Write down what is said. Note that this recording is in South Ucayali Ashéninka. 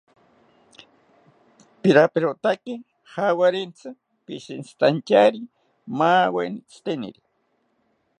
Piraperotaki jawarintzi, pishintzitantyari maaweni tzitenini